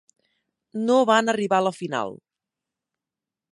No van arribar a la final.